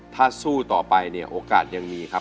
ถ้าสู้ต่อไปเนี่ยโอกาสยังมีครับ